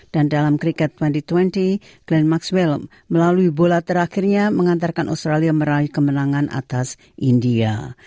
dan dalam kriket dua ribu dua puluh glenn maxwell melalui bola terakhirnya mengantarkan australia meraih kemenangan atas india